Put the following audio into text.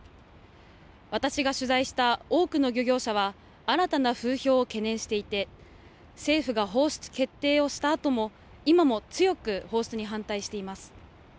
私が取材した多くの漁業者は新たな風評を懸念していて政府が放出決定をしたあとも今も強く放出に反対しています。